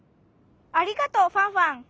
ありがとうファンファン。